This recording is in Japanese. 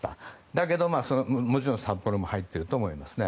だけど、もちろん札幌も入っていると思いますね。